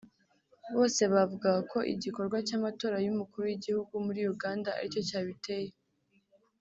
bose bavugaga ko igikorwa cy’amatora y’Umukuru w’Igihugu muri Uganda ari cyo cyabiteye